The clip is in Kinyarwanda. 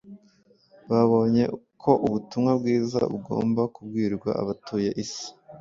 Babonye ko ubutumwa bwiza bugomba kubwirwa abatuye isi